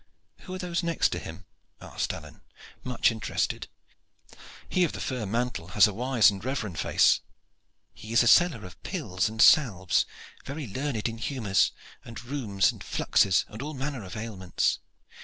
"Who are those next to him?" asked Alleyne, much interested. "He of the fur mantle has a wise and reverent face." "He is a seller of pills and salves, very learned in humors, and rheums, and fluxes, and all manner of ailments.